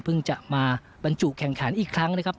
จะมาบรรจุแข่งขันอีกครั้งนะครับ